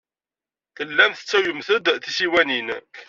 Tellamt tettawyemt-d tisiwanin.